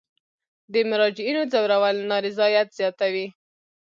د مراجعینو ځورول نارضایت زیاتوي.